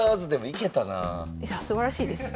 いやすばらしいです。